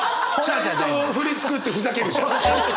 ちゃんとフリ作ってふざけるじゃん。